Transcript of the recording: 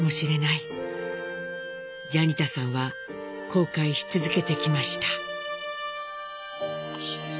ジャニタさんは後悔し続けてきました。